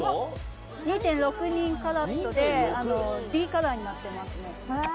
２．６２カラットでＤカラーになってますね。